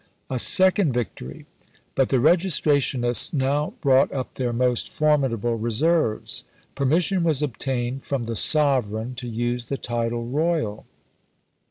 A second victory! But the Registrationists now brought up their most formidable reserves. Permission was obtained from the Sovereign to use the title "Royal."